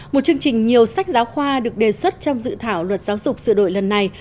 một chương trình nhiều sách giáo khoa được đề xuất trong dự thảo luật giáo dục sửa đổi lần này